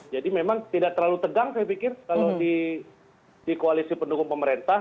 jadi memang tidak terlalu tegang saya pikir kalau di koalisi pendukung pemerintah